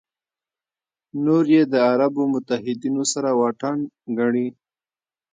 نور یې د عربو متحدینو سره واټن ګڼي.